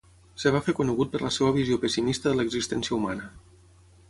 Es va fer conegut per la seva visió pessimista de l'existència humana.